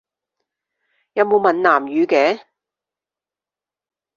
有冇閩南語嘅？